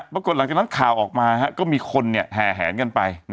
ปรากฏหลังจากนั้นข่าวออกมาก็มีคนแห่แหนกันไป